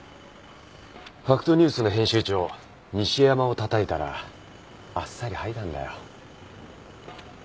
『ファクトニュース』の編集長西山をたたいたらあっさり吐いたんだよ。